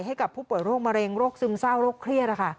ให้กับผู้ป่วยโรคมะเร็งโรคซึมเศร้าโรคเครียด